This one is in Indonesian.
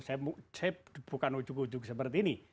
saya bukan ujuk ujug seperti ini